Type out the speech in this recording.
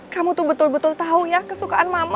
kamu tuh betul betul tahu ya kesukaan mama